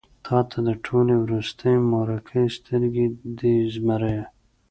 تاته د ټولې روسيې مورکۍ سترګې دي زمريه.